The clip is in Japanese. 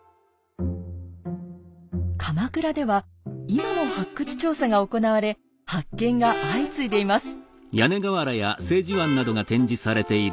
鎌倉では今も発掘調査が行われ発見が相次いでいます。